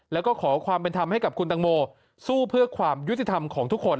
แล้วก็ขอความเป็นธรรมให้กับคุณตังโมสู้เพื่อความยุติธรรมของทุกคน